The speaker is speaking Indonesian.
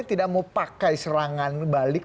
tidak mau pakai serangan balik